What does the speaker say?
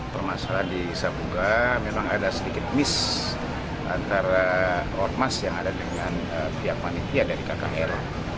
permasalahan di sabuga memang ada sedikit miss antara ormas yang ada dengan pihak panitia dari kkr